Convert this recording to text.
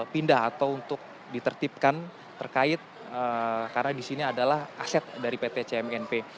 pindah atau untuk ditertipkan terkait karena di sini adalah aset dari pt cmnp